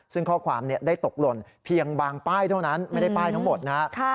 ซึ่งข้อความได้ตกหล่นเพียงบางป้ายเท่านั้นไม่ได้ป้ายทั้งหมดนะครับ